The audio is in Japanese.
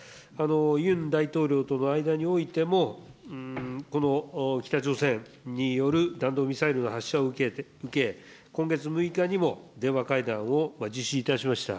ユン大統領との間においても、この北朝鮮による弾道ミサイルの発射を受け、今月６日にも、電話会談を実施いたしました。